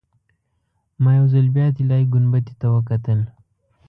ما یو ځل بیا طلایي ګنبدې ته وکتل.